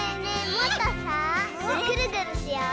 もっとさぐるぐるしよう！